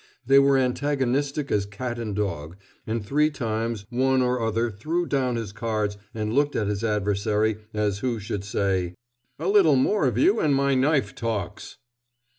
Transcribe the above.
They were antagonistic as cat and dog, and three times one or other threw down his cards and looked at his adversary, as who should say: "A little more of you, and my knife talks!"